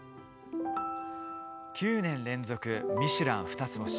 ９年連続ミシュラン二つ星